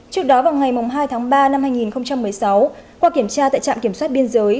trước đó vào ngày hai tháng ba năm hai nghìn một mươi sáu qua kiểm tra tại trạm kiểm soát biên giới